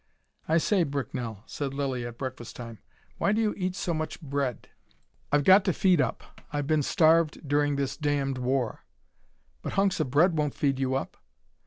"I say, Bricknell," said Lilly at breakfast time, "why do you eat so much bread?" "I've got to feed up. I've been starved during this damned war." "But hunks of bread won't feed you up."